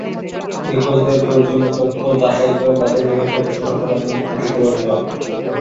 নিখোঁজদের প্রয়োজনীয় তথ্য যাচাই করে তাঁদের নিহত ঘোষণা করা এবং ক্ষতিপূরণ দেওয়া।